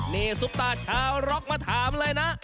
เนสุโปรตราเชาร๊อกมาถามเลยนะ